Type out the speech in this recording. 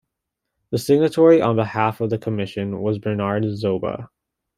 The signatory on behalf of the Commission was Bernard Zoba.